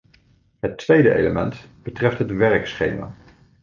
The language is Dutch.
Het tweede element betreft het werkschema.